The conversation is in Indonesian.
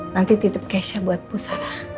nanti titip kesha buat pusara